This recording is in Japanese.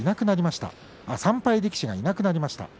３敗力士がいなくなりました。